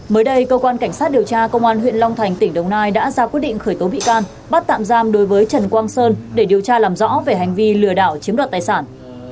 mới đây cơ quan cảnh sát điều tra công an huyện long thành tỉnh đồng nai đã ra quyết định khởi tố bị can bắt tạm giam đối với trần quang sơn để điều tra làm rõ về hành vi lừa đảo chiếm đoạt tài sản